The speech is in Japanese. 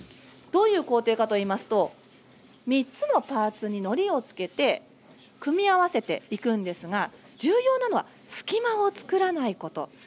どういう工程かといいますと３つのパーツに、のりを付けて組み合わせていくんですが重要なのは、隙間を作らないこと。